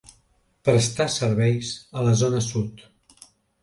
Prestà serveis a la zona sud.